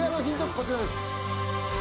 こちらです